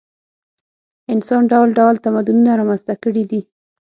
انسان ډول ډول تمدنونه رامنځته کړي دي.